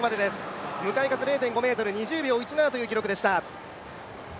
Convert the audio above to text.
向かい風０．５ｍ、２０秒１７という記録でした。